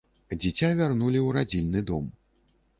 Дзіця вярнулі ў радзільны дом.